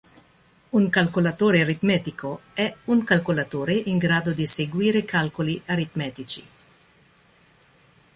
Un calcolatore aritmetico è un calcolatore in grado di eseguire calcoli aritmetici.